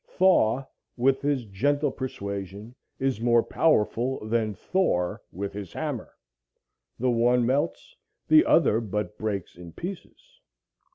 Thaw with his gentle persuasion is more powerful than Thor with his hammer. The one melts, the other but breaks in pieces.